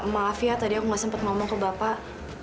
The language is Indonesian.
maaf ya tadi aku gak sempat ngomong ke bapak